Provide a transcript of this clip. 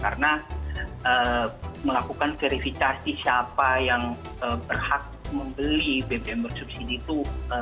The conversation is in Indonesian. karena melakukan verifikasi siapa yang berhak membeli bpm bersubsidi itu